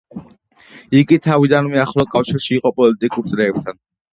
იგი თავიდანვე ახლო კავშირში იყო პოლიტიკურ წრეებთან.